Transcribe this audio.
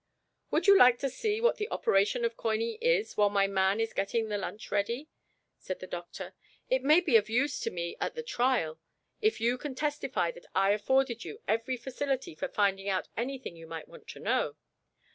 "Would you like to see what the operation of coining is, while my man is getting the lunch ready?" said the doctor. "It may be of use to me at the trial, if you can testify that I afforded you every facility for finding out anything you might want to know.